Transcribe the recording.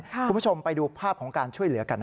คุณผู้ชมไปดูภาพของการช่วยเหลือกัน